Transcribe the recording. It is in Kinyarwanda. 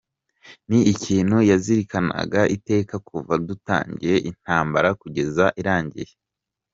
Ni ikintu yazirikanaga iteka kuva dutangiye intambara kugeza irangiye.”